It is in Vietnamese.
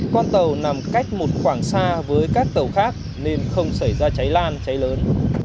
con tàu nằm cách một khoảng xa với các tàu khác nên không xảy ra cháy lan cháy lớn